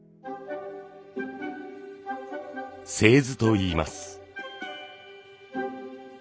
「製図」といいます。